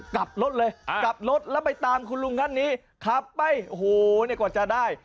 กลับรถเลยกลับรถแล้วไปตามคุณลุงท่านนี้ขับไปโอ้โหเนี่ยกว่าจะได้